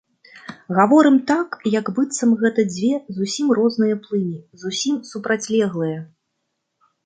Гаворым так, як быццам гэта дзве зусім розныя плыні, зусім супрацьлеглыя.